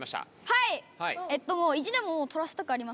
はい！